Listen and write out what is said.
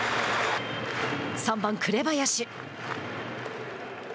３番紅林。